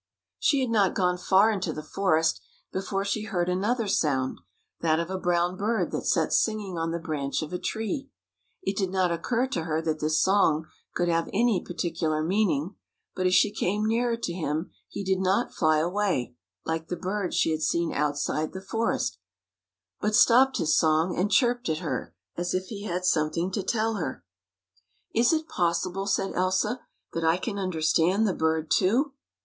She had not gone far into the forest before she heard another sound, that of a brown bird that sat singing on the branch of a tree. It did not occur to her that his song could have any particular meaning, but as she came nearer to him he did not fly away, like the birds she had seen outside the forest, but stopped his song and chirped at her as if he had something to tell her. " Is it possible," said Elsa, " that I can understand the bird too?"